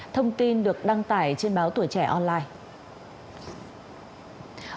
thông tin được đăng tải trên báo tuổi trẻ online